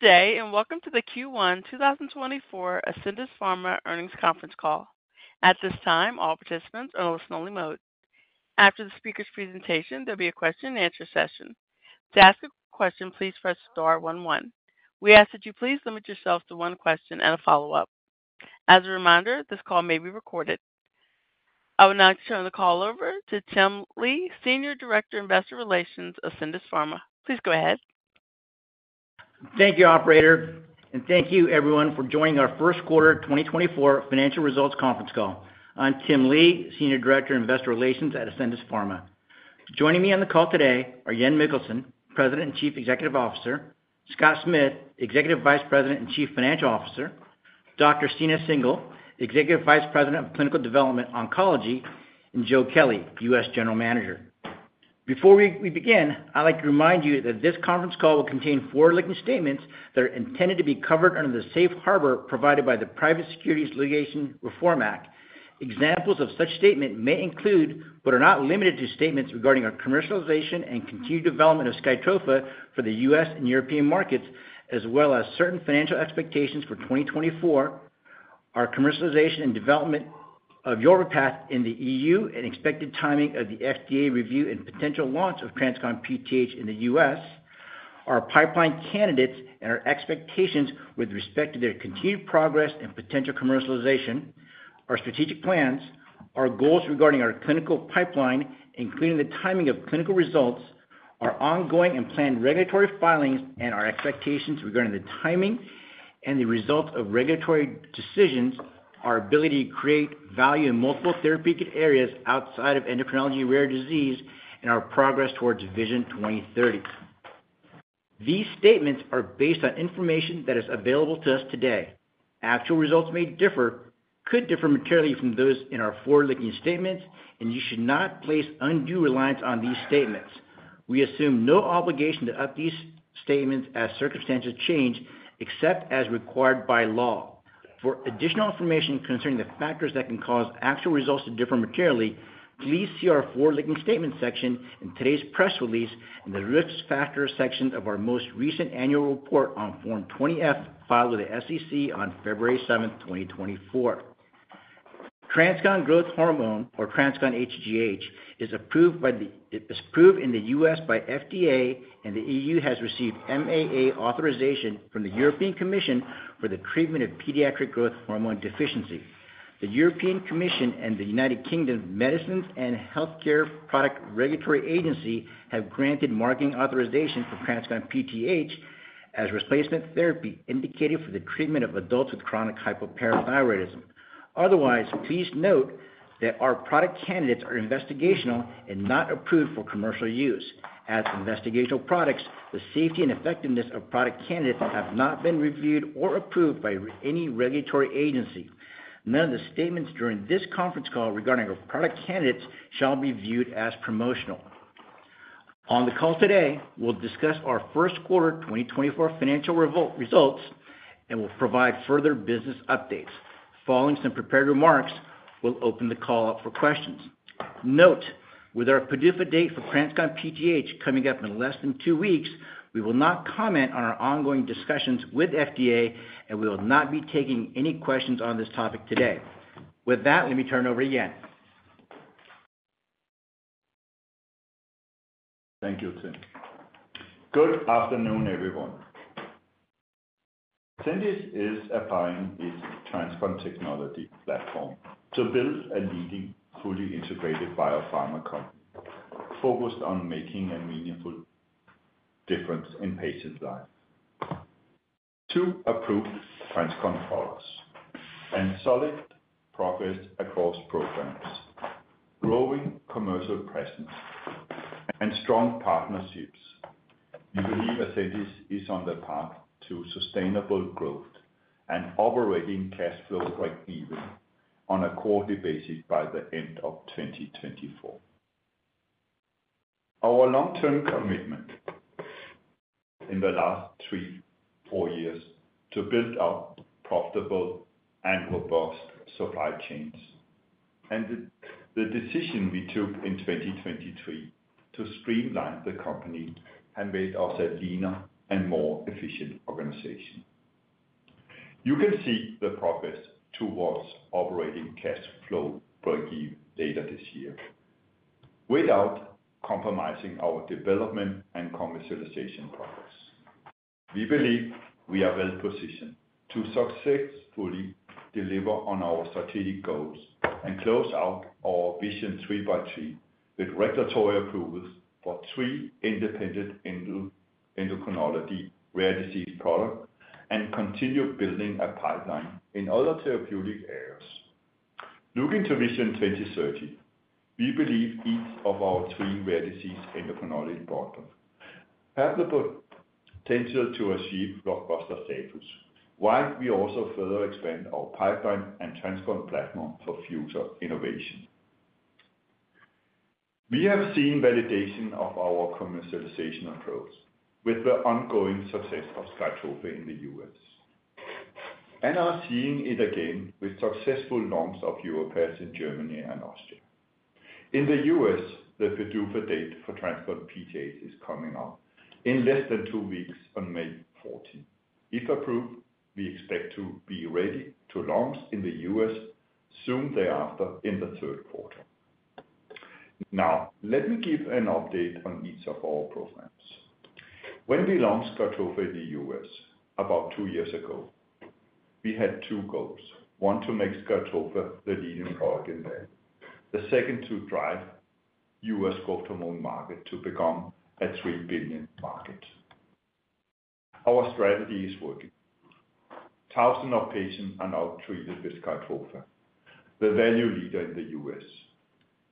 Good day, and welcome to the Q1 2024 Ascendis Pharma Earnings Conference Call. At this time, all participants are in listen-only mode. After the speaker's presentation, there'll be a question and answer session. To ask a question, please press star one one. We ask that you please limit yourself to one question and a follow-up. As a reminder, this call may be recorded. I would now turn the call over to Tim Lee, Senior Director, Investor Relations, Ascendis Pharma. Please go ahead. Thank you, operator, and thank you everyone for joining our Q1 2024 financial results conference call. I'm Tim Lee, Senior Director of Investor Relations at Ascendis Pharma. Joining me on the call today are Jan Møller Mikkelsen, President and Chief Executive Officer; Scott Smith, Executive Vice President and Chief Financial Officer; Dr. Stina Singel, Executive Vice President of Clinical Development Oncology; and Joe Kelly, US General Manager. Before we begin, I'd like to remind you that this conference call will contain forward-looking statements that are intended to be covered under the safe harbor provided by the Private Securities Litigation Reform Act. Examples of such statements may include, but are not limited to, statements regarding our commercialization and continued development of SKYTROFA for the U.S. and European markets, as well as certain financial expectations for 2024, our commercialization and development of Yorvipath in the EU, and expected timing of the FDA review and potential launch of TransCon PTH in the U.S., our pipeline candidates and our expectations with respect to their continued progress and potential commercialization, our strategic plans, our goals regarding our clinical pipeline, including the timing of clinical results, our ongoing and planned regulatory filings, and our expectations regarding the timing and the results of regulatory decisions, our ability to create value in multiple therapeutic areas outside of endocrinology rare disease, and our progress towards Vision 2030. These statements are based on information that is available to us today. Actual results may differ, could differ materially from those in our forward-looking statements, and you should not place undue reliance on these statements. We assume no obligation to update these statements as circumstances change, except as required by law. For additional information concerning the factors that can cause actual results to differ materially, please see our forward-looking statement section in today's press release and the risk factor section of our most recent annual report on Form 20-F, filed with the SEC on February 7th, 2024. TransCon Growth Hormone, or TransCon HGH, is approved in the US by FDA, and the EU has received MAA authorization from the European Commission for the treatment of pediatric growth hormone deficiency. The European Commission and the United Kingdom Medicines and Healthcare Product Regulatory Agency have granted marketing authorization for TransCon PTH as replacement therapy indicated for the treatment of adults with chronic hypoparathyroidism. Otherwise, please note that our product candidates are investigational and not approved for commercial use. As investigational products, the safety and effectiveness of product candidates have not been reviewed or approved by any regulatory agency. None of the statements during this conference call regarding our product candidates shall be viewed as promotional. On the call today, we'll discuss our Q1 2024 financial results, and we'll provide further business updates. Following some prepared remarks, we'll open the call up for questions. Note, with our PDUFA date for TransCon PTH coming up in less than two weeks, we will not comment on our ongoing discussions with FDA, and we will not be taking any questions on this topic today. With that, let me turn it over to Jan. Thank you, Tim. Good afternoon, everyone. Ascendis is applying its TransCon technology platform to build a leading, fully integrated biopharma company focused on making a meaningful difference in patients' lives. To approved TransCon products and solid progress across programs, growing commercial presence, and strong partnerships. We believe Ascendis is on the path to sustainable growth and operating cash flow break even on a quarterly basis by the end of 2024. Our long-term commitment in the last 3, 4 years to build out profitable and robust supply chains, and the decision we took in 2023 to streamline the company have made us a leaner and more efficient organization. You can see the progress towards operating cash flow break even later this year without compromising our development and commercialization progress. We believe we are well positioned to successfully deliver on our strategic goals and close out our Vision 3x3, with regulatory approvals for three independent endocrinology rare disease products, and continue building a pipeline in other therapeutic areas. Looking to Vision 2030, we believe each of our three rare disease endocrinology partners have the potential to achieve blockbuster status, while we also further expand our pipeline and TransCon platform for future innovation. We have seen validation of our commercialization approach with the ongoing success of SKYTROFA in the U.S. and are seeing it again with successful launch of Yorvipath in Germany and Austria. In the U.S., the PDUFA date for TransCon hGH is coming up in less than two weeks on May fourteenth. If approved, we expect to be ready to launch in the U.S. soon thereafter in the Q3. Now, let me give an update on each of our programs. When we launched SKYTROFA in the U.S. about two years ago, we had two goals. One, to make SKYTROFA the leading product in there. The second, to drive U.S. growth hormone market to become a $3 billion market. Our strategy is working. Thousands of patients are now treated with SKYTROFA, the value leader in the U.S.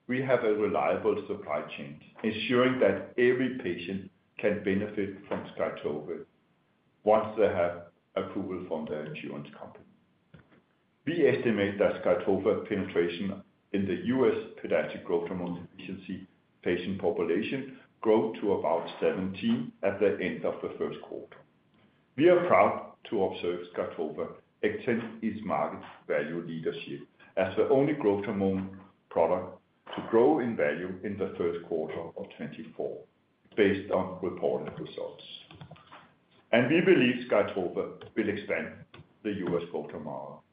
We have a reliable supply chain, ensuring that every patient can benefit from SKYTROFA once they have approval from their insurance company. We estimate that SKYTROFA penetration in the U.S. pediatric growth hormone deficiency patient population grow to about 17% at the end of the Q1. We are proud to observe SKYTROFA extend its market value leadership as the only growth hormone product to grow in value in the Q1 of 2024, based on reported results. We believe SKYTROFA will expand the U.S. growth market,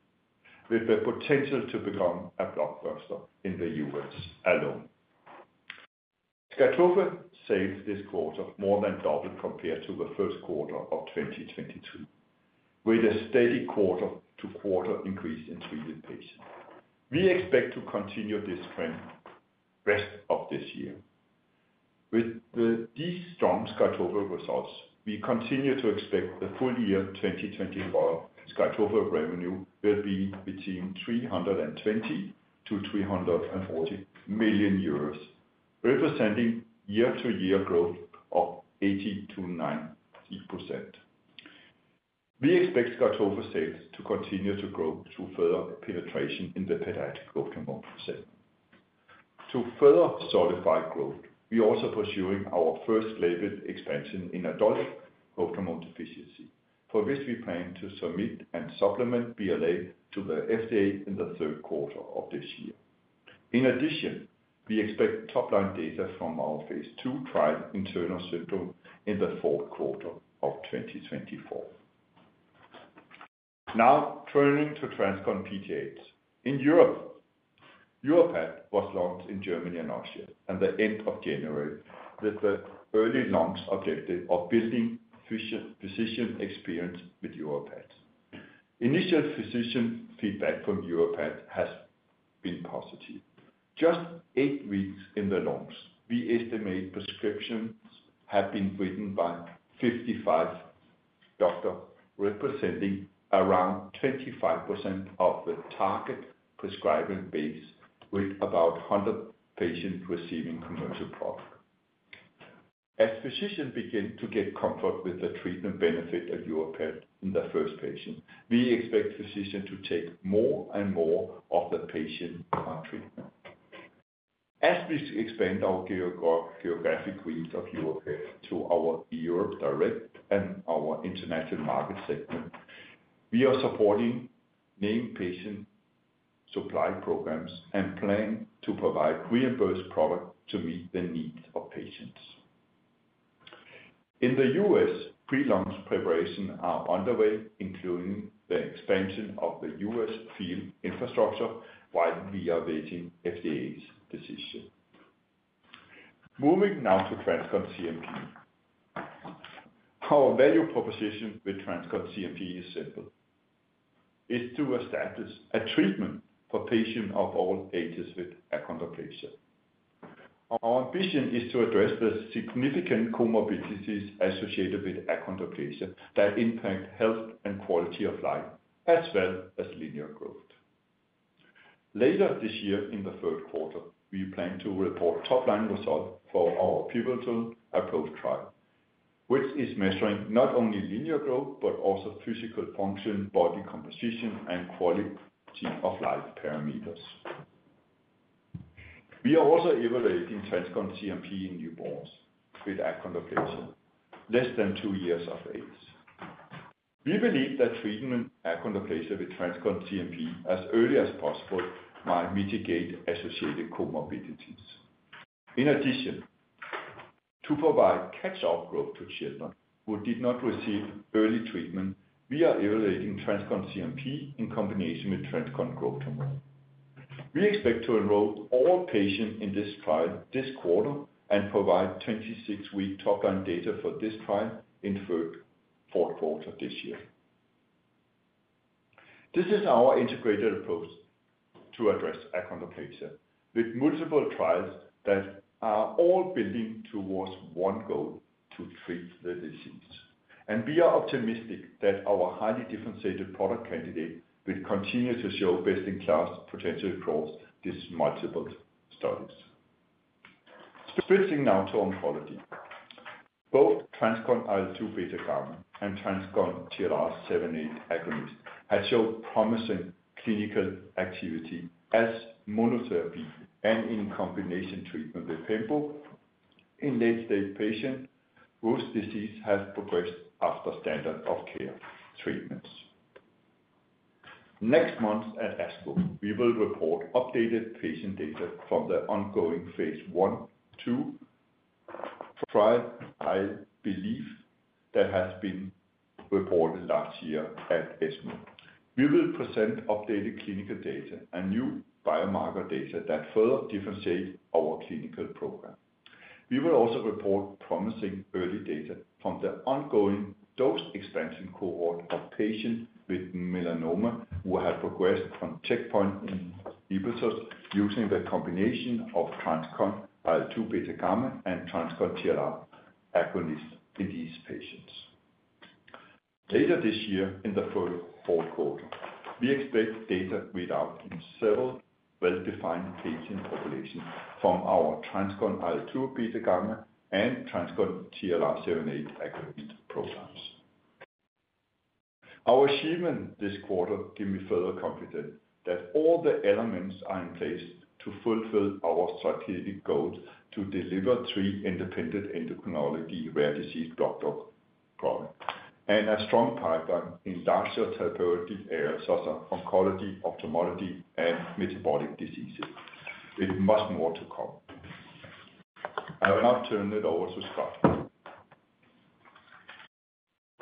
with the potential to become a blockbuster in the U.S. alone. SKYTROFA sales this quarter more than doubled compared to the Q1 of 2022, with a steady quarter-to-quarter increase in treated patients. We expect to continue this trend rest of this year. With these strong SKYTROFA results, we continue to expect the full year 2024 SKYTROFA revenue will be between 320 million and 340 million euros, representing year-to-year growth of 80%-90%. We expect SKYTROFA sales to continue to grow through further penetration in the pediatric growth hormone setting. To further solidify growth, we're also pursuing our first label expansion in adult growth hormone deficiency, for which we plan to submit a supplemental BLA to the FDA in the Q3 of this year. In addition, we expect top line data from our phase 2 trial in Turner syndrome in the Q4 of 2024. Now, turning to TransCon PTH. In Europe, Yorvipath was launched in Germany and Austria at the end of January, with the early launch objective of building physician experience with Yorvipath. Initial physician feedback from Yorvipath has been positive. Just 8 weeks in the launch, we estimate prescriptions have been written by 55 doctors, representing around 25% of the target prescribing base, with about 100 patients receiving commercial product. As physicians begin to get comfort with the treatment benefit of Yorvipath in the first patient, we expect physicians to take more and more of the patient, treatment. As we expand our geographic reach of Yorvipath to our Europe direct and our international market segment, we are supporting named patient supply programs and plan to provide reimbursed product to meet the needs of patients. In the US, pre-launch preparations are underway, including the expansion of the US field infrastructure, while we are waiting FDA's decision. Moving now to TransCon CNP. Our value proposition with TransCon CNP is simple. It's to establish a treatment for patients of all ages with achondroplasia. Our ambition is to address the significant comorbidities associated with achondroplasia that impact health and quality of life, as well as linear growth. Later this year, in the Q3, we plan to report top-line results for our pivotal APPROACH trial, which is measuring not only linear growth, but also physical function, body composition, and quality of life parameters. We are also evaluating TransCon CNP in newborns with achondroplasia, less than two years of age. We believe that treating achondroplasia with TransCon CNP as early as possible might mitigate associated comorbidities. In addition, to provide catch-up growth to children who did not receive early treatment, we are evaluating TransCon CNP in combination with TransCon Growth Hormone. We expect to enroll all patients in this trial this quarter and provide 26-week top-line data for this trial in third, Q4 this year. This is our integrated approach to address achondroplasia with multiple trials that are all building towards one goal, to treat the disease. We are optimistic that our highly differentiated product candidate will continue to show best-in-class potential across these multiple studies. Switching now to oncology. Both TransCon IL-2 beta gamma and TransCon TLR7/8 agonist have showed promising clinical activity as monotherapy and in combination treatment with pembro in late-stage patients whose disease has progressed after standard of care treatments. Next month at ASCO, we will report updated patient data from the ongoing phase 1/2 trial, I believe, that has been reported last year at ESMO. We will present updated clinical data and new biomarker data that further differentiate our clinical program. We will also report promising early data from the ongoing dose expansion cohort of patients with melanoma who have progressed from checkpoint inhibitors, using the combination of TransCon IL-2 beta gamma and TransCon TLR agonist in these patients. Later this year, in the third, Q4, we expect data readouts in several well-defined patient populations from our TransCon IL-2 beta gamma and TransCon TLR7/8 agonist programs. Our achievements this quarter give me further confidence that all the elements are in place to fulfill our strategic goals to deliver three independent endocrinology rare disease products, and a strong pipeline in larger therapeutic areas such as oncology, ophthalmology, and metabolic diseases. With much more to come. I will now turn it over to Scott.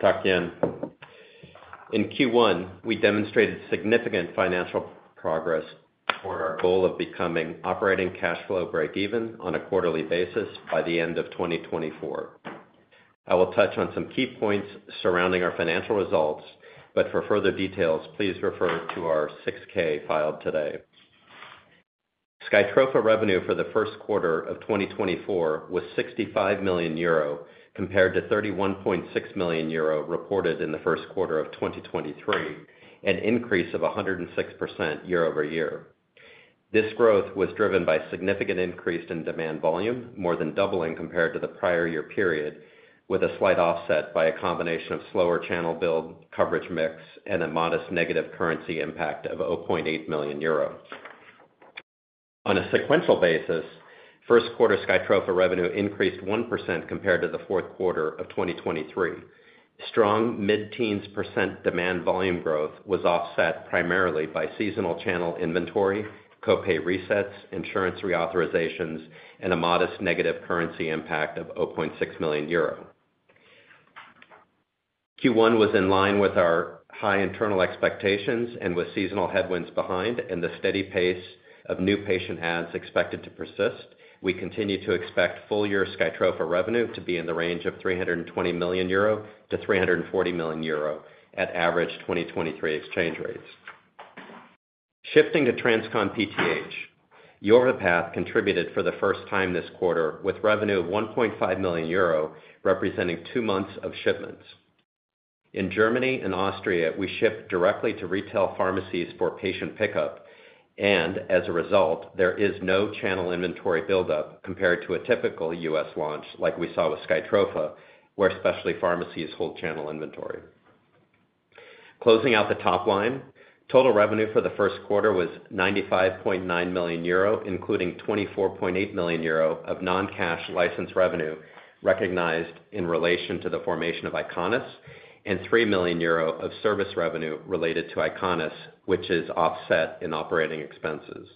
Thank you. In Q1, we demonstrated significant financial progress for our goal of becoming operating cash flow break even on a quarterly basis by the end of 2024. I will touch on some key points surrounding our financial results, but for further details, please refer to our 6-K filed today. SKYTROFA revenue for the Q1 of 2024 was 65 million euro, compared to 31.6 million euro reported in the Q1 of 2023, an increase of 106% year-over-year. This growth was driven by significant increase in demand volume, more than doubling compared to the prior year period, with a slight offset by a combination of slower channel build, coverage mix, and a modest negative currency impact of 0.8 million euro. On a sequential basis, Q1 SKYTROFA revenue increased 1% compared to the Q4 of 2023. Strong mid-teens % demand volume growth was offset primarily by seasonal channel inventory, co-pay resets, insurance reauthorizations, and a modest negative currency impact of 0.6 million euro. Q1 was in line with our high internal expectations, and with seasonal headwinds behind and the steady pace of new patient adds expected to persist, we continue to expect full year SKYTROFA revenue to be in the range of 320 million-340 million euro at average 2023 exchange rates. Shifting to TransCon PTH, Yorvipath contributed for the first time this quarter with revenue of 1.5 million euro, representing two months of shipments. In Germany and Austria, we ship directly to retail pharmacies for patient pickup, and as a result, there is no channel inventory buildup compared to a typical U.S. launch, like we saw with SKYTROFA, where specialty pharmacies hold channel inventory. Closing out the top line, total revenue for the Q1 was 95.9 million euro, including 24.8 million euro of non-cash license revenue, recognized in relation to the formation of Eyconis, and 3 million euro of service revenue related to Eyconis, which is offset in operating expenses.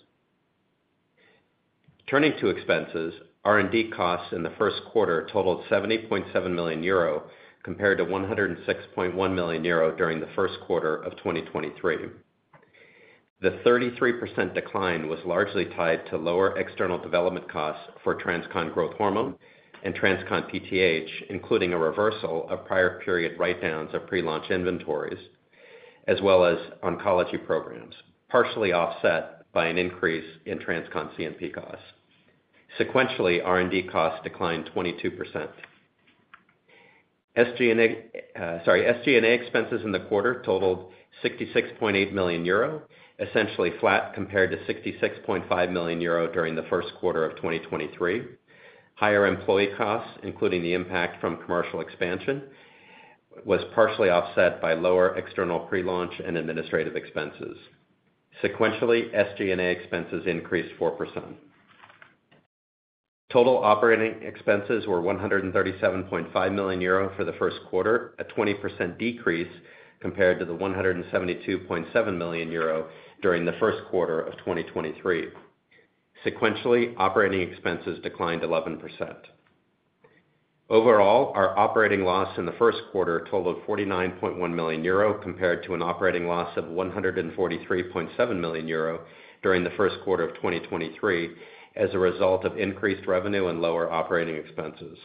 Turning to expenses, R&D costs in the Q1 totaled 70.7 million euro, compared to 106.1 million euro during the Q1 of 2023. The 33% decline was largely tied to lower external development costs for TransCon Growth Hormone and TransCon PTH, including a reversal of prior period write-downs of pre-launch inventories, as well as oncology programs, partially offset by an increase in TransCon CNP costs. Sequentially, R&D costs declined 22%. SG&A expenses in the quarter totaled 66.8 million euro, essentially flat compared to 66.5 million euro during the Q1 of 2023. Higher employee costs, including the impact from commercial expansion, was partially offset by lower external pre-launch and administrative expenses. Sequentially, SG&A expenses increased 4%. Total operating expenses were 137.5 million euro for the Q1, a 20% decrease compared to the 172.7 million euro during the Q1 of 2023. Sequentially, operating expenses declined 11%. Overall, our operating loss in the Q1 totaled 49.1 million euro, compared to an operating loss of 143.7 million euro during the Q1 of 2023, as a result of increased revenue and lower operating expenses.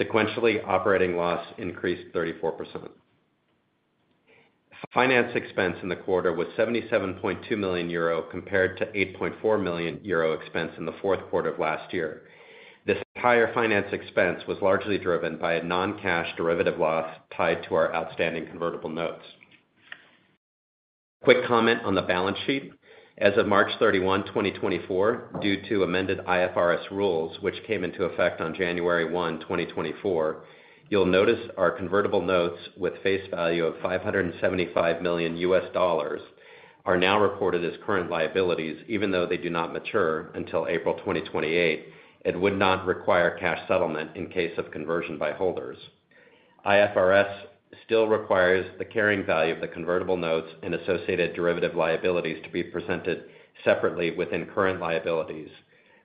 Sequentially, operating loss increased 34%. Finance expense in the quarter was 77.2 million euro, compared to 8.4 million euro expense in the Q4 of last year. This higher finance expense was largely driven by a non-cash derivative loss tied to our outstanding convertible notes. Quick comment on the balance sheet. As of March 31, 2024, due to amended IFRS rules, which came into effect on January 1, 2024, you'll notice our convertible notes with face value of $575 million are now reported as current liabilities, even though they do not mature until April 2028, and would not require cash settlement in case of conversion by holders. IFRS still requires the carrying value of the convertible notes and associated derivative liabilities to be presented separately within current liabilities,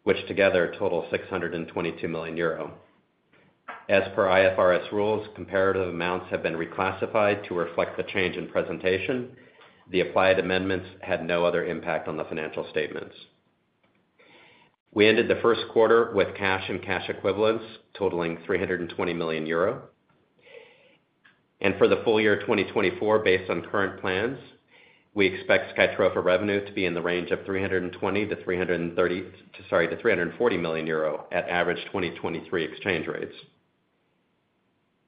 which together total 622 million euro. As per IFRS rules, comparative amounts have been reclassified to reflect the change in presentation. The applied amendments had no other impact on the financial statements. We ended the Q1 with cash and cash equivalents totaling 320 million euro. For the full year 2024, based on current plans, we expect SKYTROFA revenue to be in the range of 320 million to 330 million, sorry, to 340 million euro at average 2023 exchange rates.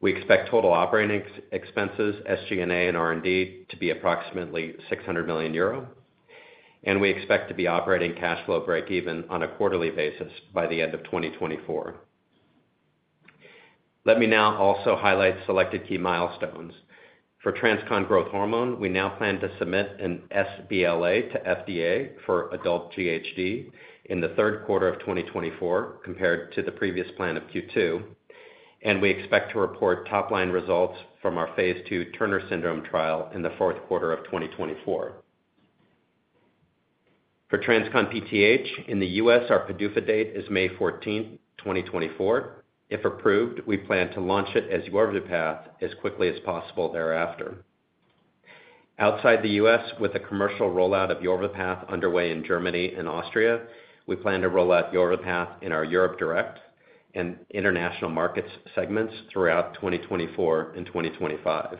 We expect total operating expenses, SG&A and R&D, to be approximately 600 million euro, and we expect to be operating cash flow break even on a quarterly basis by the end of 2024. Let me now also highlight selected key milestones. For TransCon Growth Hormone, we now plan to submit an sBLA to FDA for adult GHD in the Q3 of 2024, compared to the previous plan of Q2, and we expect to report top-line results from our phase II Turner syndrome trial in the Q4 of 2024. For TransCon PTH, in the US, our PDUFA date is May 14, 2024. If approved, we plan to launch it as Yorvipath as quickly as possible thereafter. Outside the US, with the commercial rollout of Yorvipath underway in Germany and Austria, we plan to roll out Yorvipath in our Europe direct and international markets segments throughout 2024 and 2025.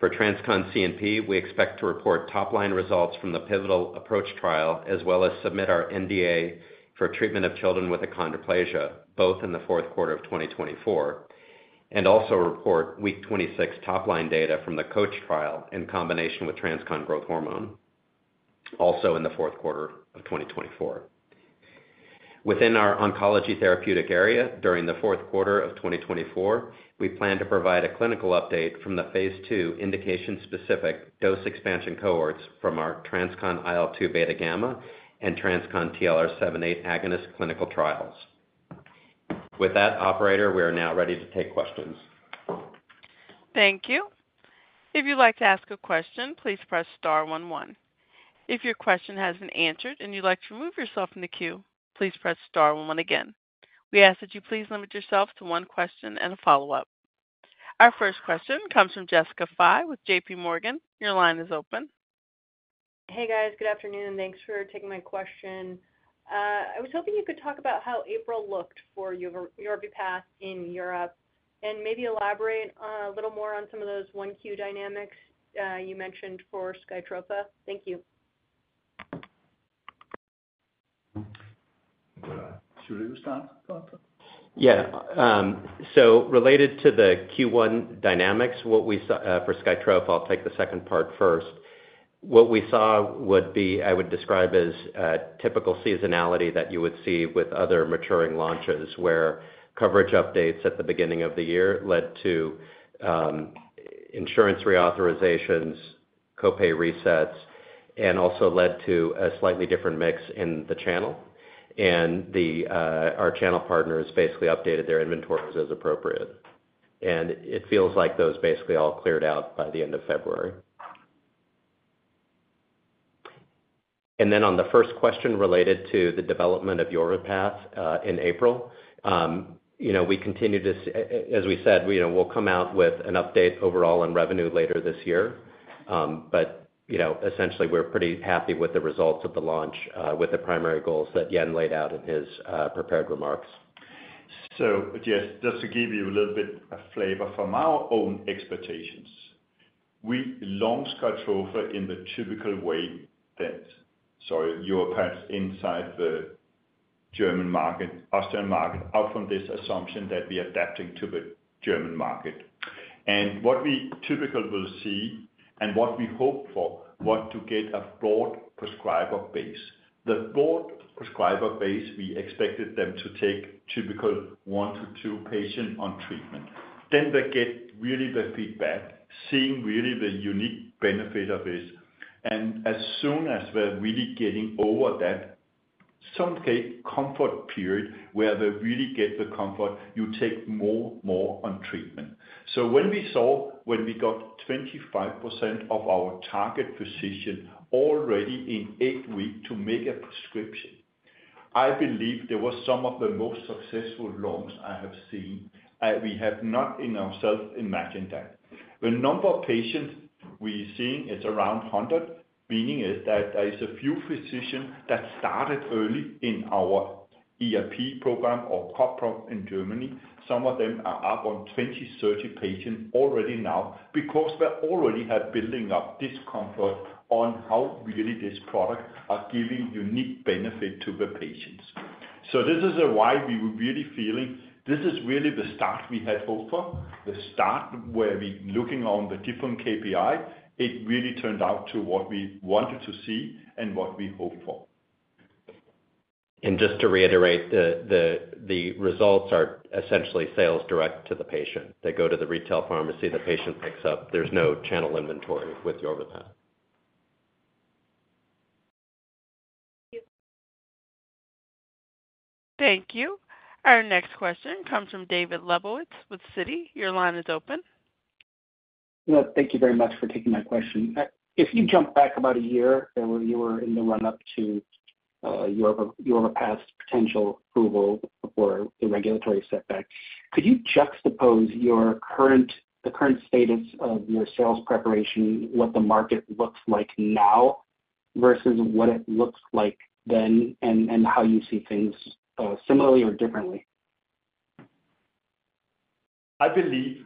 For TransCon CNP, we expect to report top-line results from the pivotal APPROACH trial, as well as submit our NDA for treatment of children with achondroplasia, both in the Q4 of 2024, and also report week 26 top-line data from the COACH trial in combination with TransCon Growth Hormone, also in the Q4 of 2024. Within our oncology therapeutic area, during the Q4 of 2024, we plan to provide a clinical update from the Phase II indication-specific dose expansion cohorts from our TransCon IL-2 β/γ and TransCon TLR7/8 Agonist clinical trials. With that, operator, we are now ready to take questions. Thank you. If you'd like to ask a question, please press star one one. If your question has been answered and you'd like to remove yourself from the queue, please press star one one again. We ask that you please limit yourself to one question and a follow-up. Our first question comes from Jessica Fye with J.P. Morgan. Your line is open. Hey, guys. Good afternoon. Thanks for taking my question. I was hoping you could talk about how April looked for Yorvipath in Europe, and maybe elaborate a little more on some of those 1Q dynamics you mentioned for SKYTROFA. Thank you. Should you start, Scott? Yeah. So related to the Q1 dynamics, what we saw for SKYTROFA, I'll take the second part first. What we saw would be, I would describe as typical seasonality that you would see with other maturing launches, where coverage updates at the beginning of the year led to insurance reauthorizations, copay resets, and also led to a slightly different mix in the channel. And our channel partners basically updated their inventories as appropriate. And it feels like those basically all cleared out by the end of February. And then on the first question related to the development of Yorvipath in April, you know, we continue to see, as we said, you know, we'll come out with an update overall on revenue later this year. But, you know, essentially, we're pretty happy with the results of the launch, with the primary goals that Jan laid out in his prepared remarks. So, Jess, just to give you a little bit of flavor from our own expectations, we launched SKYTROFA in the typical way that... Sorry, Yorvipath inside the German market, Austrian market, out from this assumption that we're adapting to the German market. And what we typically will see, and what we hope for, want to get a broad prescriber base. The broad prescriber base, we expected them to take typical 1-2 patient on treatment. Then they get really the feedback, seeing really the unique benefit of this. And as soon as we're really getting over that, some get comfort period, where they really get the comfort, you take more, more on treatment. So when we saw, when we got 25% of our target physician already in 8 weeks to make a prescription, I believe there was some of the most successful launch I have seen. We have not in ourselves imagined that. The number of patients we're seeing is around 100, meaning is that there is a few physicians that started early in our ERP program or COP program in Germany. Some of them are up on 20, 30 patients already now because they already had building up this comfort on how really this product are giving unique benefit to the patients. So this is why we were really feeling this is really the start we had hoped for, the start where we looking on the different KPI, it really turned out to what we wanted to see and what we hoped for. Just to reiterate, the results are essentially sales direct to the patient. They go to the retail pharmacy, the patient picks up. There's no channel inventory with Yorvipath. Thank you. Our next question comes from David Lebowitz with Citi. Your line is open. Well, thank you very much for taking my question. If you jump back about a year, when you were in the run-up to your past potential approval for the regulatory setback, could you juxtapose the current status of your sales preparation, what the market looks like now, versus what it looked like then, and how you see things similarly or differently? I believe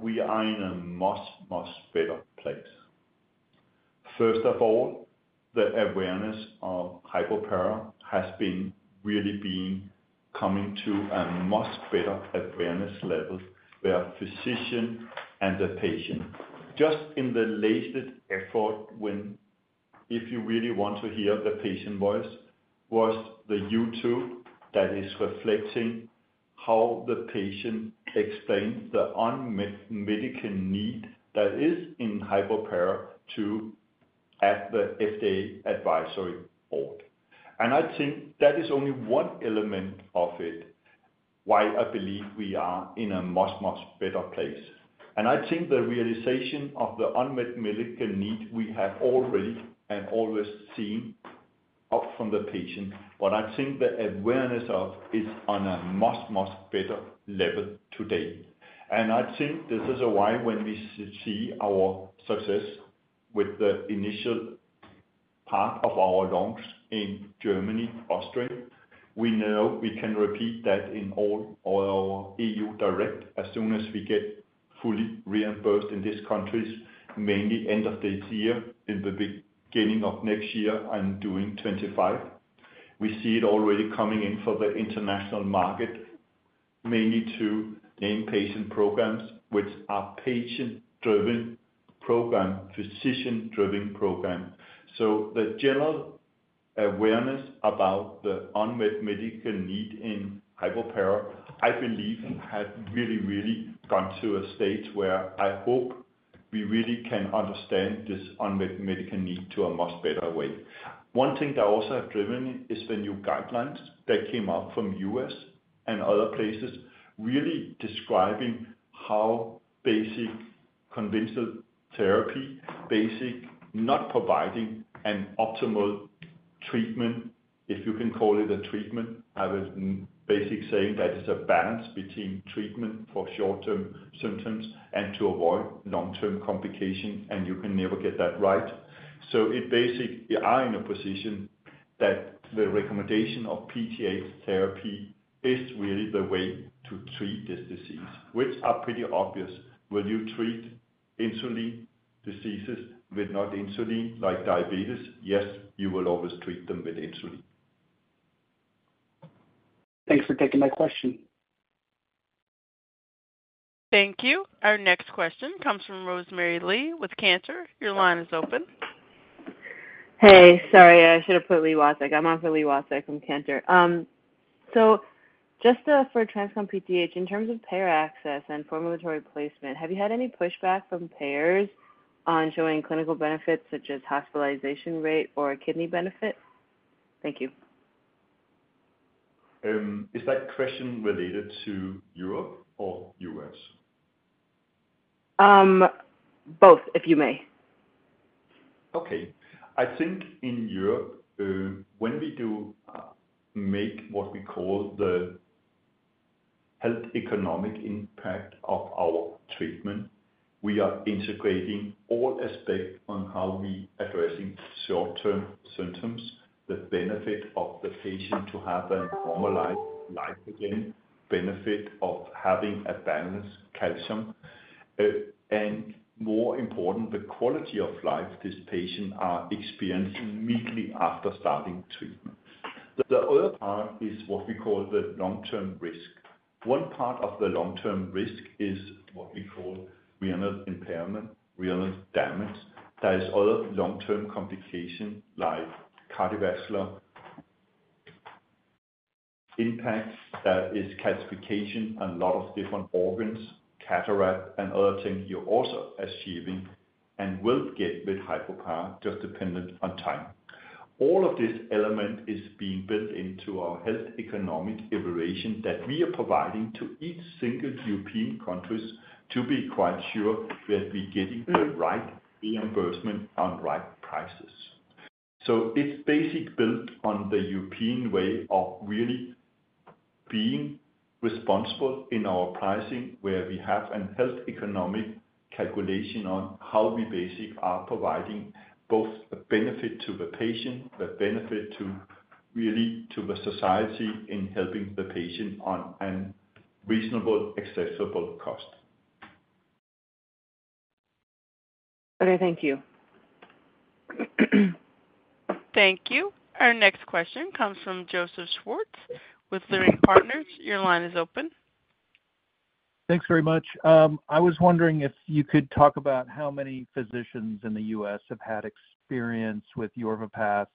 we are in a much, much better place. First of all, the awareness of hypoparathyroidism has really been coming to a much better awareness level, where physician and the patient. Just in the latest effort, when if you really want to hear the patient voice, was the YouTube that is reflecting how the patient explains the unmet medical need that is in hypoparathyroidism to the FDA advisory board. And I think that is only one element of it, why I believe we are in a much, much better place. And I think the realization of the unmet medical need we have already and always seen from the patient. But I think the awareness of is on a much, much better level today. I think this is why when we see our success with the initial part of our launch in Germany, Austria, we know we can repeat that in all our EU direct, as soon as we get fully reimbursed in these countries, mainly end of this year, in the beginning of next year, and during 2025. We see it already coming in for the international market, mainly to named patient programs, which are patient-driven program, physician-driven program. So the general awareness about the unmet medical need in hypoparathyroidism, I believe, has really, really gone to a stage where I hope we really can understand this unmet medical need to a much better way. One thing that also have driven it is the new guidelines that came out from U.S. and other places, really describing how basic conventional therapy, basic, not providing an optimal treatment, if you can call it a treatment. I was basically saying that it's a balance between treatment for short-term symptoms and to avoid long-term complications, and you can never get that right. So basically, we are in a position that the recommendation of PTH therapy is really the way to treat this disease, which are pretty obvious. Will you treat insulin diseases with not insulin, like diabetes? Yes, you will always treat them with insulin. Thanks for taking my question. Thank you. Our next question comes from Rosemary Li with Cantor. Your line is open. Hey, sorry, I should have put Li Watsek. I'm on for Li Watsek from Cantor. So just, for TransCon PTH, in terms of payer access and formulary placement, have you had any pushback from payers on showing clinical benefits, such as hospitalization rate or kidney benefit? Thank you. Is that question related to Europe or U.S.? Both, if you may. Okay. I think in Europe, when we do make what we call the health economic impact of our treatment, we are integrating all aspects on how we addressing short-term symptoms, the benefit of the patient to have a normalized life again, benefit of having a balanced calcium, and more important, the quality of life this patient are experiencing immediately after starting treatment. The other part is what we call the long-term risk. One part of the long-term risk is what we call renal impairment, renal damage. There is other long-term complication, like cardiovascular impact. There is calcification in a lot of different organs, cataract and other things you're also achieving and will get with hypoparathyroidism, just dependent on time. All of this element is being built into our health economic evaluation that we are providing to each single European countries to be quite sure that we're getting the right reimbursement on right prices. So it's basic built on the European way of really being responsible in our pricing, where we have a health economic calculation on how we basic are providing both the benefit to the patient, the benefit to, really, to the society in helping the patient on a reasonable, accessible cost. Okay, thank you. Thank you. Our next question comes from Joseph Schwartz with Leerink Partners. Your line is open. Thanks very much. I was wondering if you could talk about how many physicians in the US have had experience with Yorvipath?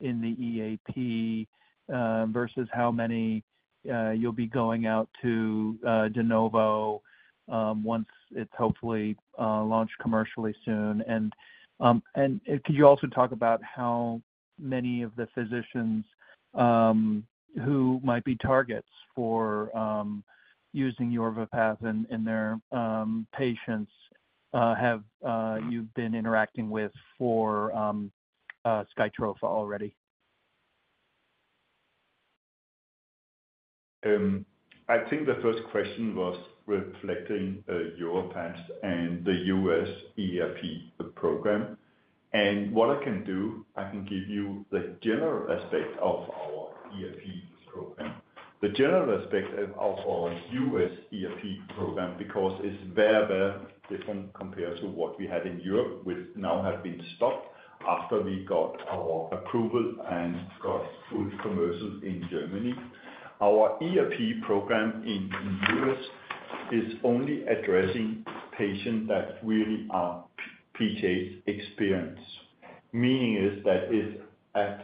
in the EAP versus how many you'll be going out to de novo once it's hopefully launched commercially soon? And could you also talk about how many of the physicians who might be targets for using your Yorvipath in their patients have you've been interacting with for SKYTROFA already? I think the first question was regarding Yorvipath and the US EAP program. What I can do, I can give you the general aspect of our EAP program. The general aspect of our US EAP program, because it's very, very different compared to what we had in Europe, which now has been stopped after we got our approval and got full commercial in Germany. Our EAP program in US is only addressing patients that really are PTH experienced. Meaning is that it's a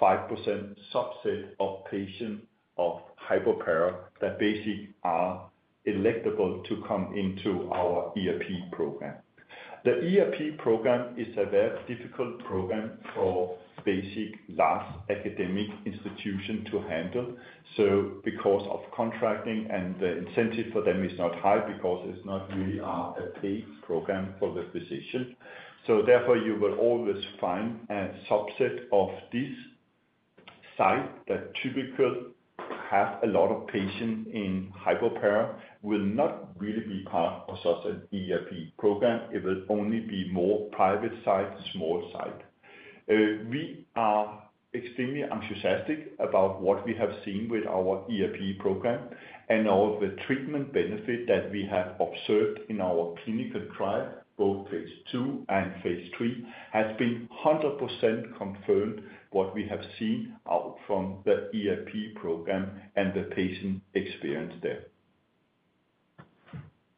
3%-5% subset of patients of hypopara, that basically are eligible to come into our EAP program. The EAP program is a very difficult program for basically large academic institutions to handle. So because of contracting and the incentive for them is not high because it's not really a paid program for the physician. So therefore, you will always find a subset of this site that typically have a lot of patients in hypopar will not really be part of such an EAP program. It will only be more private sites, small site. We are extremely enthusiastic about what we have seen with our EAP program and all the treatment benefit that we have observed in our clinical trial, both phase 2 and phase 3, has been 100% confirmed what we have seen out from the EAP program and the patient experience there.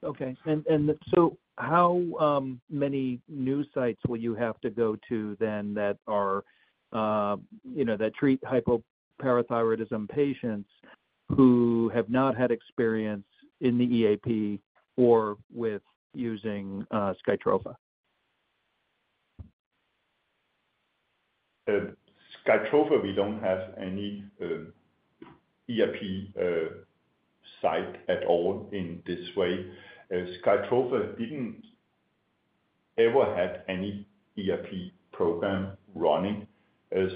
Okay. And so how many new sites will you have to go to then that are, you know, that treat hypoparathyroidism patients who have not had experience in the EAP or with using SKYTROFA? SKYTROFA, we don't have any EAP site at all in this way. SKYTROFA didn't ever had any EAP program running.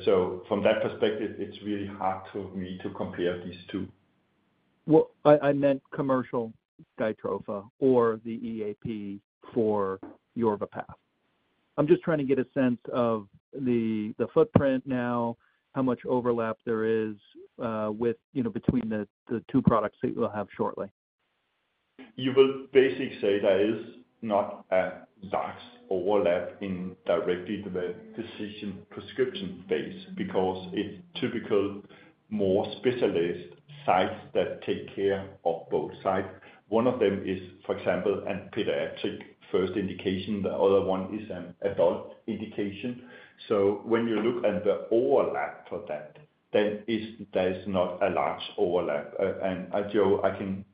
So from that perspective, it's really hard to me to compare these two. Well, I meant commercial SKYTROFA or the EAP for Yorvipath. I'm just trying to get a sense of the footprint now, how much overlap there is, you know, between the two products that you'll have shortly. You will basically say there is not a large overlap in directly to the decision prescription phase, because it's typical more specialist sites that take care of both sides. One of them is, for example, a pediatric first indication, the other one is an adult indication. So when you look at the overlap for that, then it's- there's not a large overlap. And Joe, I can...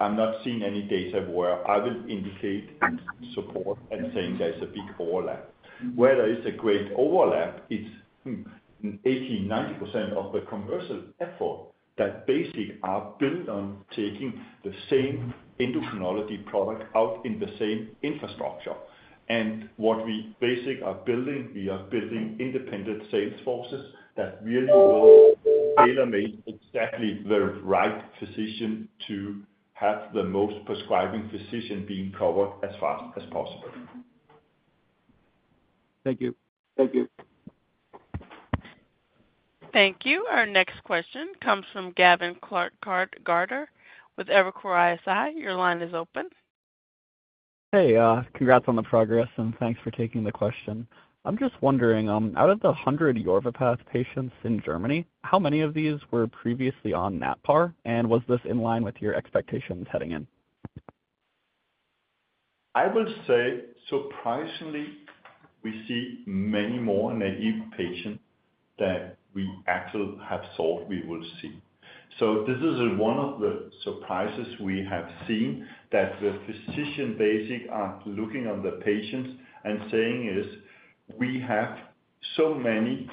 I'm not seeing any data where I will indicate and support and saying there's a big overlap. Where there is a great overlap, it's 80%-90% of the commercial effort that basically are built on taking the same endocrinology product out in the same infrastructure. And what we basically are building, we are building independent sales forces that really will tailor-made exactly the right physician to have the most prescribing physician being covered as fast as possible. Thank you. Thank you. Thank you. Our next question comes from Gavin Clark-Gartner with Evercore ISI. Your line is open. Hey, congrats on the progress, and thanks for taking the question. I'm just wondering, out of the 100 Yorvipath patients in Germany, how many of these were previously on Natpara? And was this in line with your expectations heading in? I will say, surprisingly, we see many more naive patients than we actually have thought we would see. So this is one of the surprises we have seen, that the physicians basically are looking at the patients and saying, "We have so many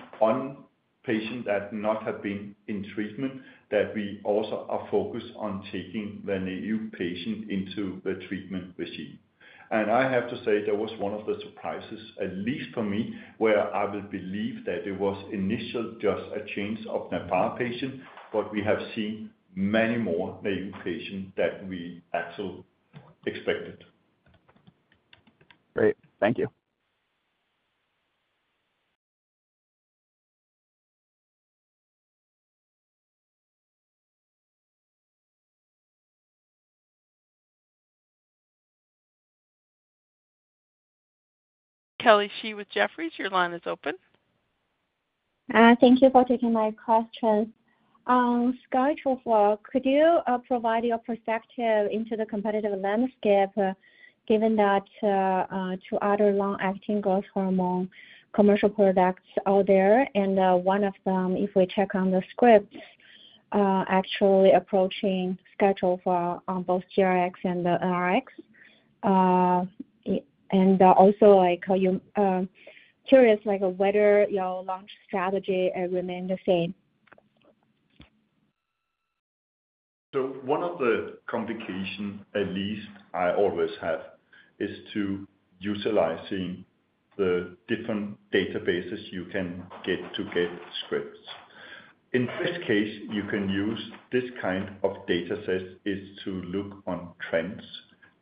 patients that have not been in treatment, that we also are focused on taking the naive patient into the treatment regimen." And I have to say, that was one of the surprises, at least for me, where I would believe that it was initially just a change of Natpara patient, but we have seen many more naive patients than we actually expected. Great. Thank you. Kelly Shi with Jefferies, your line is open.... Thank you for taking my questions. On SKYTROFA, could you provide your perspective into the competitive landscape, given that two other long-acting growth hormone commercial products are there, and one of them, if we check on the scripts, actually approaching schedule for on both TRX and the RX. And also, like, how you- curious, like, whether your launch strategy remain the same? So one of the complications, at least I always have, is utilizing the different databases you can get to get scripts. In this case, you can use this kind of data set is to look on trends,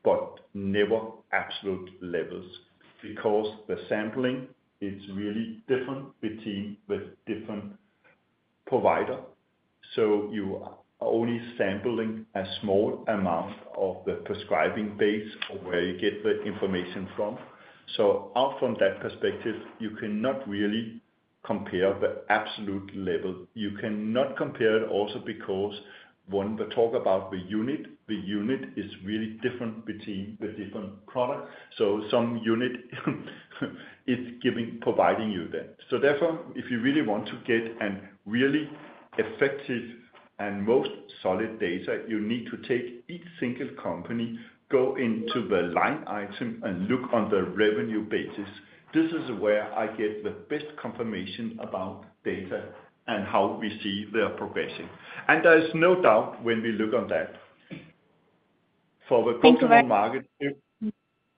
but never absolute levels, because the sampling is really different between the different providers. So you are only sampling a small amount of the prescribing base of where you get the information from. So out from that perspective, you cannot really compare the absolute level. You cannot compare it also because when we talk about the unit, the unit is really different between the different products, so some unit is providing you that. So therefore, if you really want to get a really effective and most solid data, you need to take each single company, go into the line item, and look on the revenue basis. This is where I get the best confirmation about data and how we see their progression. There is no doubt when we look on that. For the growth hormone market- Thank you very-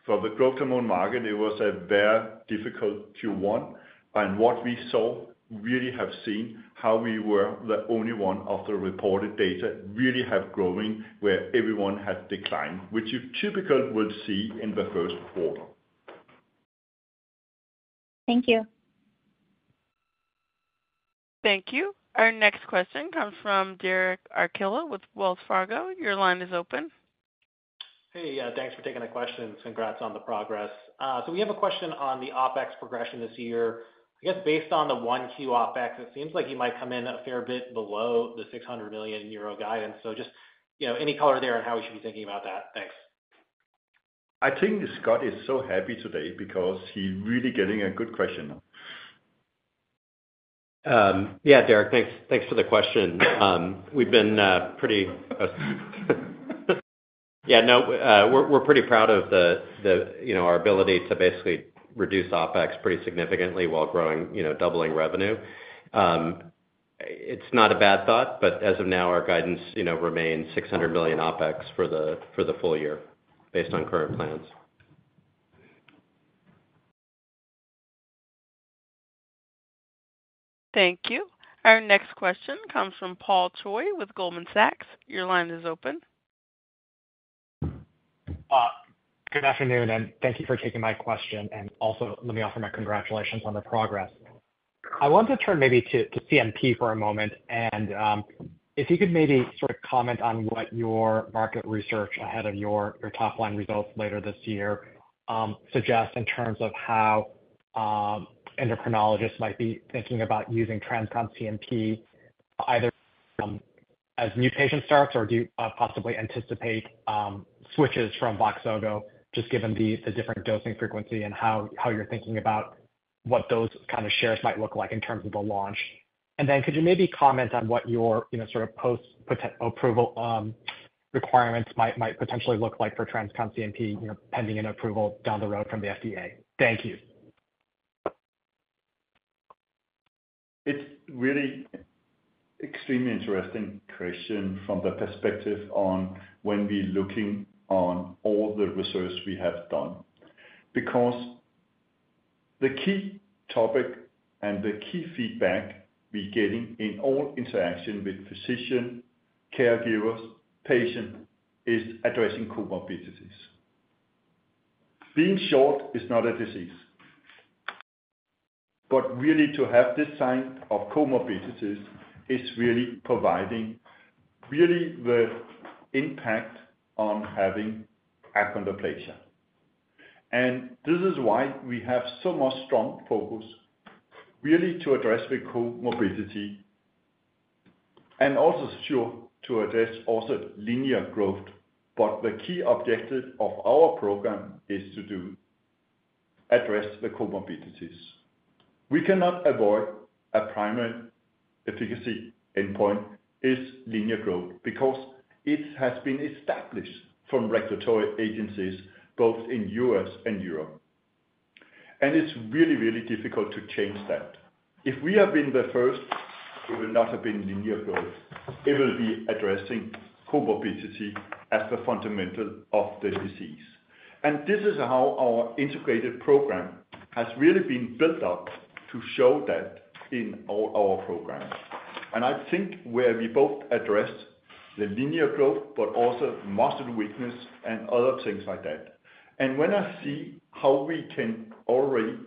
For the growth hormone market, it was a very difficult Q1, and what we saw, really have seen how we were the only one of the reported data really have growing, where everyone had declined, which you typically would see in the Q1. Thank you. Thank you. Our next question comes from Derek Archila with Wells Fargo. Your line is open. Hey, yeah, thanks for taking the question, and congrats on the progress. So we have a question on the OpEx progression this year. I guess based on the 1Q OpEx, it seems like you might come in a fair bit below the 600 million euro guidance. So just, you know, any color there on how we should be thinking about that? Thanks. I think Scott is so happy today because he's really getting a good question. Yeah, Derek, thanks, thanks for the question. We've been pretty proud of, you know, our ability to basically reduce OpEx pretty significantly while growing, you know, doubling revenue. It's not a bad thought, but as of now, our guidance, you know, remains 600 million OpEx for the full year, based on current plans. Thank you. Our next question comes from Paul Choi with Goldman Sachs. Your line is open. Good afternoon, and thank you for taking my question. Also let me offer my congratulations on the progress. I want to turn maybe to TransCon CNP for a moment, and if you could maybe sort of comment on what your market research ahead of your top line results later this year suggests in terms of how endocrinologists might be thinking about using TransCon CNP, either as new patient starts, or do you possibly anticipate switches from Voxzogo, just given the different dosing frequency and how you're thinking about what those kind of shares might look like in terms of the launch? Then could you maybe comment on what your, you know, sort of post-approval requirements might potentially look like for TransCon CNP, you know, pending an approval down the road from the FDA? Thank you. It's really extremely interesting question from the perspective on when we're looking on all the research we have done, because the key topic and the key feedback we're getting in all interaction with physician, caregivers, patient, is addressing comorbidities. Being short is not a disease, but really to have this sign of comorbidities is really providing really the impact on having achondroplasia. And this is why we have so much strong focus, really to address the comorbidity, and also sure, to address also linear growth. But the key objective of our program is to do address the comorbidities. We cannot avoid a primary efficacy endpoint is linear growth, because it has been established from regulatory agencies both in U.S. and Europe. And it's really, really difficult to change that. If we have been the first, it will not have been linear growth. It will be addressing comorbidity as the fundamental of the disease. And this is how our integrated program has really been built up to show that in all our programs. And I think where we both address the linear growth, but also muscle weakness and other things like that. And when I see how we can already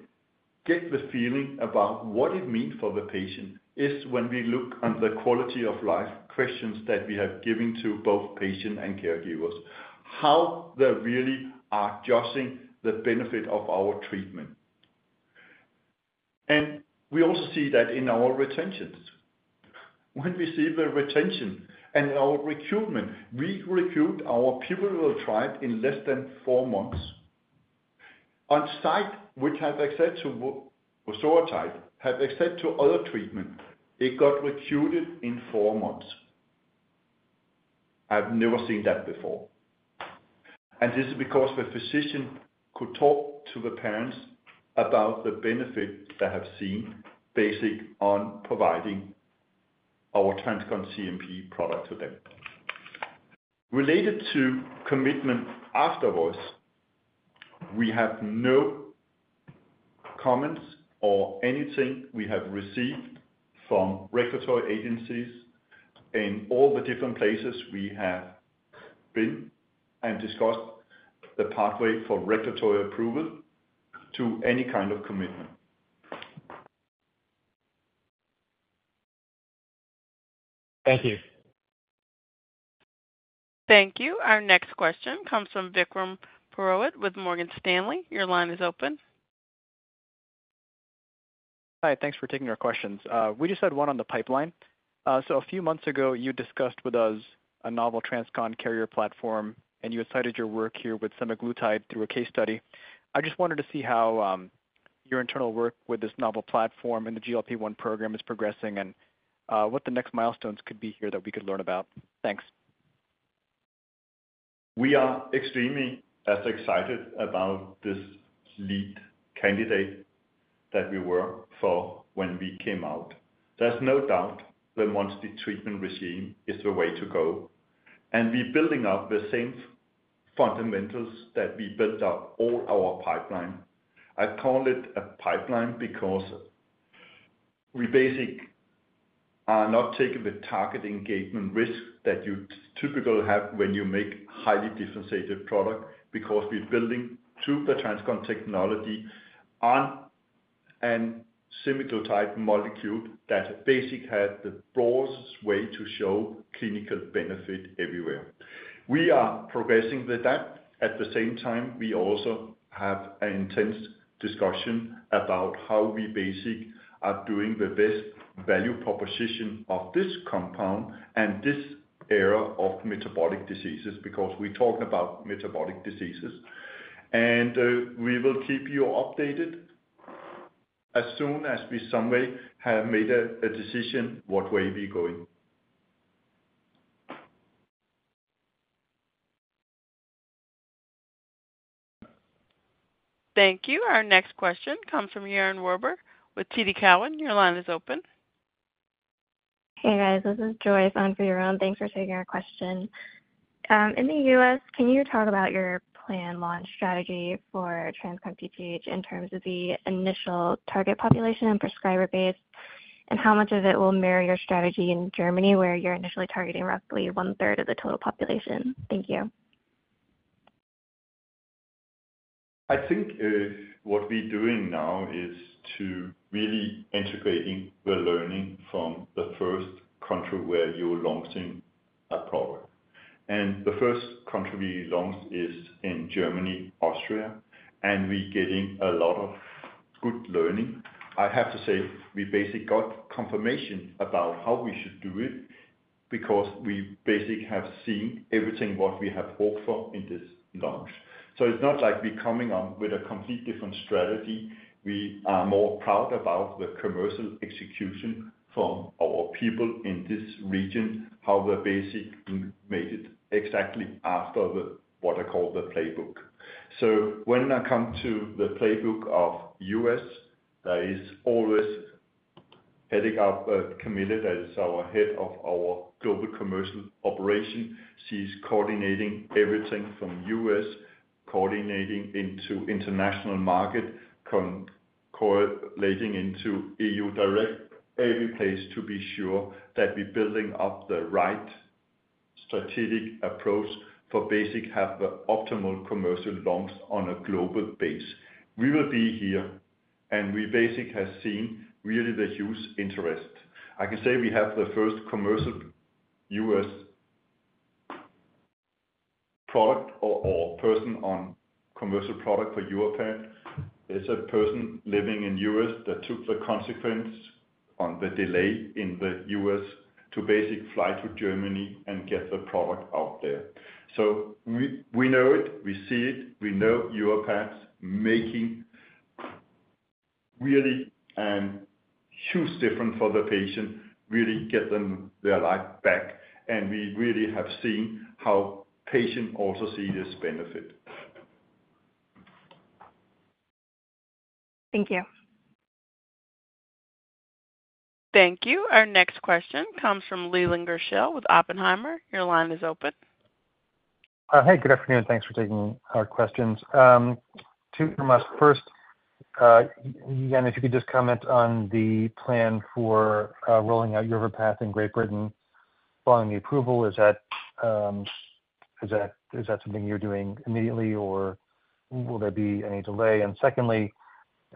get the feeling about what it means for the patient, is when we look on the quality of life questions that we have given to both patient and caregivers... how they really are adjusting the benefit of our treatment. And we also see that in our retentions. When we see the retention and our recruitment, we recruit our pivotal trial in less than four months. On site, which have access to vosoritide, have access to other treatment, it got recruited in four months. I've never seen that before. And this is because the physician could talk to the parents about the benefit they have seen based on providing our TransCon CNP product to them. Related to commitment afterwards, we have no comments or anything we have received from regulatory agencies in all the different places we have been and discussed the pathway for regulatory approval to any kind of commitment. Thank you. Thank you. Our next question comes from Vikram Purohit with Morgan Stanley. Your line is open. Hi, thanks for taking our questions. We just had one on the pipeline. So a few months ago, you discussed with us a novel TransCon carrier platform, and you had cited your work here with semaglutide through a case study. I just wanted to see how your internal work with this novel platform and the GLP-1 program is progressing, and what the next milestones could be here that we could learn about? Thanks. We are extremely excited about this lead candidate that we were for when we came out. There's no doubt the monthly treatment regimen is the way to go, and we're building up the same fundamentals that we built up all our pipeline. I call it a pipeline because we basically are not taking the target engagement risk that you typically have when you make highly differentiated product, because we're building through the TransCon technology on a semaglutide molecule that basically had the broadest way to show clinical benefit everywhere. We are progressing with that. At the same time, we also have an intense discussion about how we basically are doing the best value proposition of this compound and this era of metabolic diseases, because we're talking about metabolic diseases. We will keep you updated as soon as we someday have made a decision what way we're going. Thank you. Our next question comes from Yaron Werber with TD Cowen. Your line is open. Hey, guys, this is Joyce on for Yaron. Thanks for taking our question. In the U.S., can you talk about your planned launch strategy for TransCon PTH in terms of the initial target population and prescriber base? And how much of it will mirror your strategy in Germany, where you're initially targeting roughly one-third of the total population? Thank you. I think, what we're doing now is to really integrating the learning from the first country where you're launching a product. And the first country we launched is in Germany, Austria, and we're getting a lot of good learning. I have to say, we basically got confirmation about how we should do it because we basically have seen everything, what we have hoped for in this launch. So it's not like we're coming up with a complete different strategy. We are more proud about the commercial execution from our people in this region, how they basically made it exactly after the, what I call the playbook. So when I come to the playbook of U.S., there is always heading up Camilla, that is our head of our global commercial operation. She's coordinating everything from U.S., coordinating into international market, correlating into EU, direct every place to be sure that we're building up the right strategic approach for basic have the optimal commercial launch on a global base. We will be here, and we basically have seen really the huge interest. I can say we have the first commercial U.S. product or, or person on commercial product for Europe. It's a person living in U.S. that took the consequence on the delay in the U.S. to basically fly to Germany and get the product out there. So we, we know it, we see it, we know Europe is making really, huge difference for the patient, really get them their life back, and we really have seen how patients also see this benefit. Thank you. Thank you. Our next question comes from Leland Gershell with Oppenheimer. Your line is open. Hey, good afternoon. Thanks for taking our questions. Two from us. First, Jan, if you could just comment on the plan for rolling out Yorvipath in Great Britain following the approval. Is that something you're doing immediately, or will there be any delay? And secondly,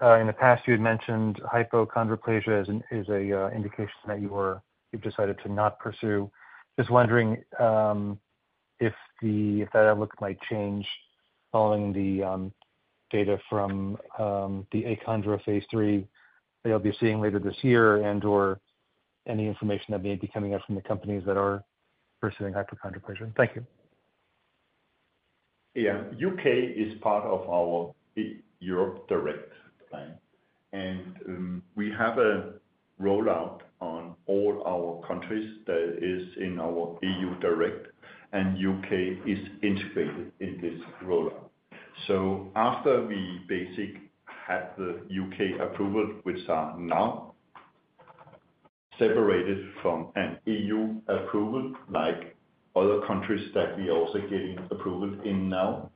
in the past, you had mentioned hypochondroplasia as an indication that you were- you've decided to not pursue. Just wondering if that outlook might change following the data from the achondro phase 3 that you'll be seeing later this year, and/or any information that may be coming out from the companies that are pursuing hypochondroplasia? Thank you. Yeah. UK is part of our EU Europe direct plan, and we have a rollout on all our countries that is in our EU direct, and UK is integrated in this rollout. So after we basically had the UK approval, which are now separated from an EU approval, like other countries that we are also getting approval in now,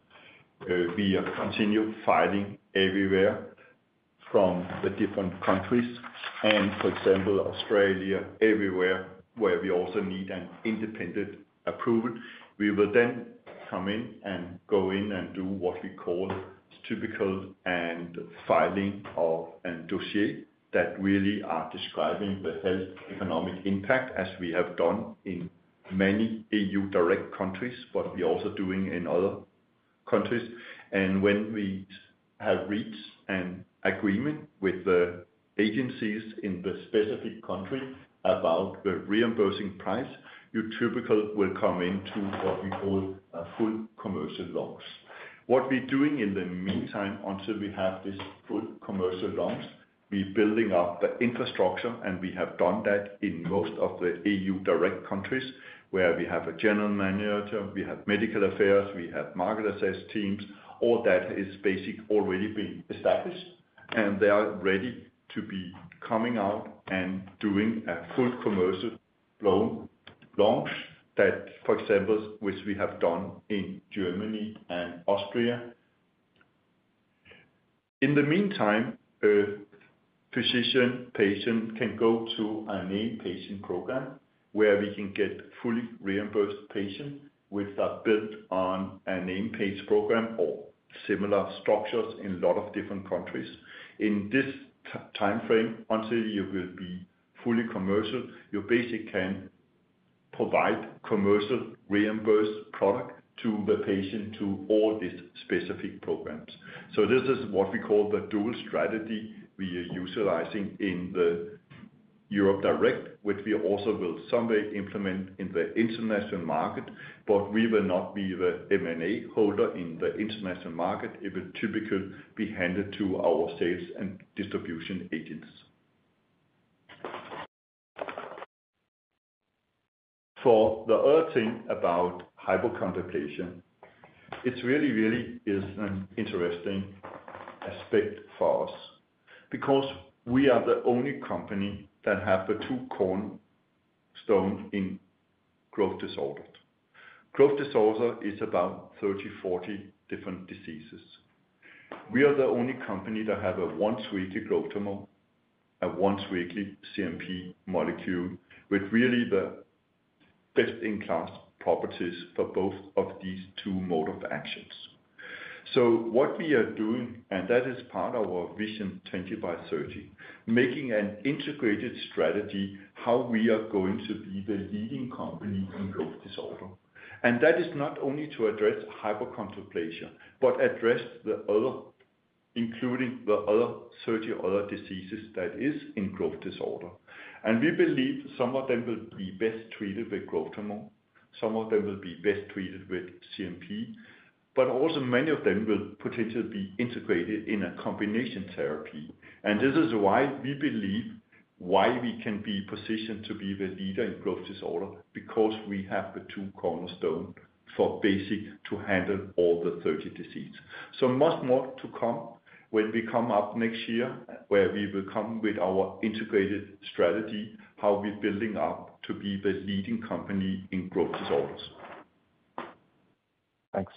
we have continued filing everywhere from the different countries and for example, Australia, everywhere, where we also need an independent approval. We will then come in and go in and do what we call typical filing of a dossier that really are describing the health economic impact, as we have done in many EU direct countries, but we are also doing in other countries. When we have reached an agreement with the agencies in the specific country about the reimbursing price, you typically will come into what we call a full commercial launch. What we're doing in the meantime, until we have this full commercial launch, we're building up the infrastructure, and we have done that in most of the EU direct countries, where we have a general manager, we have medical affairs, we have market access teams. All that is basically already been established, and they are ready to be coming out and doing a full commercial launch, launch that, for example, which we have done in Germany and Austria. In the meantime, a physician, patient can go to a Named Patient Program, where we can get fully reimbursed patient with a built on a Named Patient Program or similar structures in a lot of different countries. In this time frame, until you will be fully commercial, you basically can provide commercial reimbursed product to the patient, to all these specific programs. So this is what we call the dual strategy we are utilizing in Europe directly, which we also will someday implement in the international market, but we will not be the MAA holder in the international market. It will typically be handed to our sales and distribution agents. For the other thing about hypochondroplasia, it's really, really is an interesting aspect for us because we are the only company that have the two cornerstone in growth disorders. Growth disorder is about 30, 40 different diseases. We are the only company that have a once-weekly growth hormone, a once-weekly CNP molecule, with really the best-in-class properties for both of these two modes of action. So what we are doing, and that is part of our vision, 20 by 30, making an integrated strategy, how we are going to be the leading company in growth disorder. And that is not only to address hypochondroplasia, but address the other, including the other 30 other diseases that is in growth disorder. And we believe some of them will be best treated with growth hormone, some of them will be best treated with CNP, but also many of them will potentially be integrated in a combination therapy. And this is why we believe why we can be positioned to be the leader in growth disorder, because we have the two cornerstone for basic to handle all the 30 disease. So much more to come when we come up next year, where we will come with our integrated strategy, how we're building up to be the leading company in growth disorders. Thanks.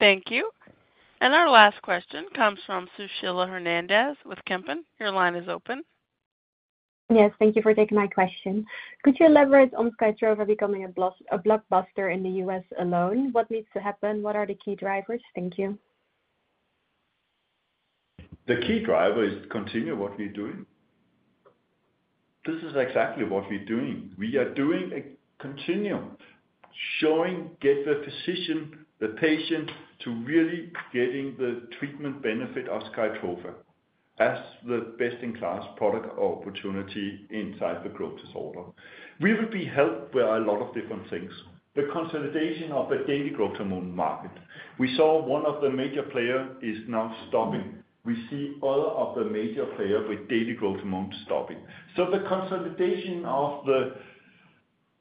Thank you. And our last question comes from Sushila Hernandez with Kempen. Your line is open. Yes, thank you for taking my question. Could you elaborate on SKYTROFA becoming a blockbuster in the U.S. alone? What needs to happen? What are the key drivers? Thank you. The key driver is continue what we're doing. This is exactly what we're doing. We are doing a continuum, showing, get the physician, the patient, to really getting the treatment benefit of SKYTROFA as the best-in-class product or opportunity inside the growth disorder. We will be helped by a lot of different things. The consolidation of the daily growth hormone market. We saw one of the major player is now stopping. We see other of the major player with daily growth hormone stopping. So the consolidation of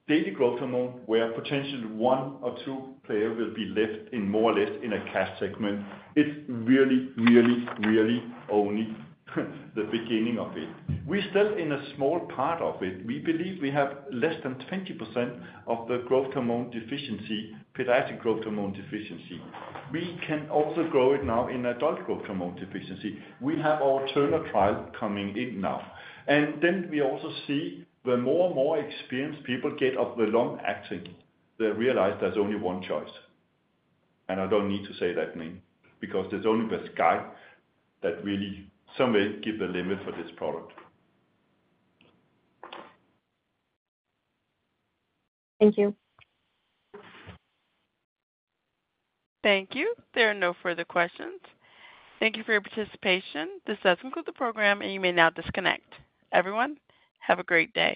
the daily growth hormone, where potentially one or two players will be left in more or less in a cash segment, it's really, really, really only the beginning of it. We're still in a small part of it. We believe we have less than 20% of the growth hormone deficiency, pediatric growth hormone deficiency. We can also grow it now in adult growth hormone deficiency. We have our Turner trial coming in now. And then we also see the more and more experienced people get with the long-acting, they realize there's only one choice. And I don't need to say that name, because the sky's the limit for this product. Thank you. Thank you. There are no further questions. Thank you for your participation. This does conclude the program, and you may now disconnect. Everyone, have a great day.